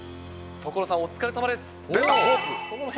所さん、お疲れさまです。